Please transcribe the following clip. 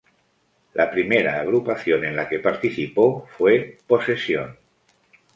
La primera agrupación en la que participó fue "Posesión".